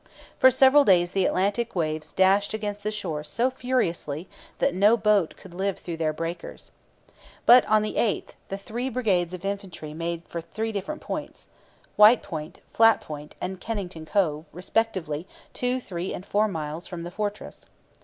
For several days the Atlantic waves dashed against the shore so furiously that no boat could live through their breakers. But on the eighth the three brigades of infantry made for three different points, [Footnote: White Point, Flat Point, and Kennington Cove. See the accompanying Map of the siege.] respectively two, three, and four miles from the fortress.